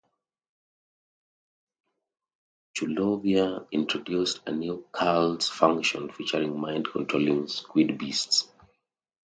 Chulorviah introduced a new Cults faction featuring mind controlling squid beasts.